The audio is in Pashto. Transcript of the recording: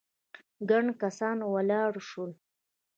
ګڼ کسان ولاړ شول.